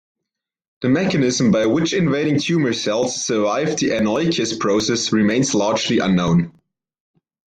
The mechanism by which invading tumor cells survive the anoikis process remains largely unknown.